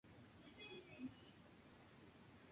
Jacqueline viajó a Colorado Springs por motivos de salud.